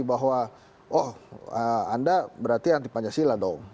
bahwa oh anda berarti anti pancasila dong